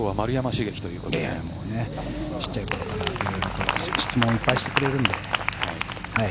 小さいころから質問をいっぱいしてくれるので。